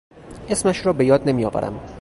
اسمش را به یاد نمی آورم.